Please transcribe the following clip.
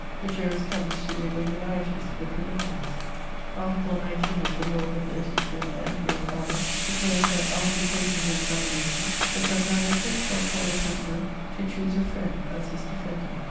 The jurist comes to the irregularities in the preliminaries: "Article 19 of the law of the 13 Brumaire, Year V, declares that, after closing the examination, the judge advocate shall tell the prisoner to 'choose a friend as his defender.'